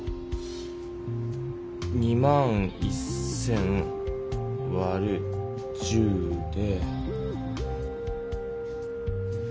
２１０００わる１０で。